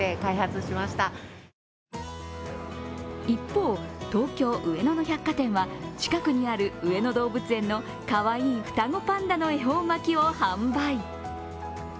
一方、東京・上野の百貨店は、近くにある上野動物園のかわいい双子パンダの恵方巻きを販売。